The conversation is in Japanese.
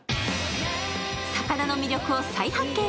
魚の魅力を再発見。